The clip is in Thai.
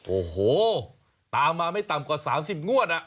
โอ้โหตามมาไม่ต่ำกว่า๓๐งวด